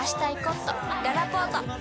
ららぽーと